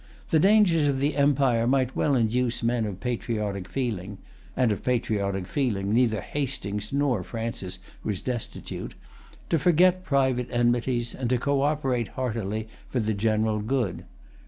The dangers of the empire might well induce men of patriotic feeling—and of patriotic feeling neither Hastings nor Francis was destitute—to forget private enmities, and to coöperate heartily for the general good.